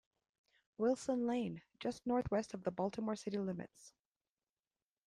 Wilson Lane, just northwest of the Baltimore City limits.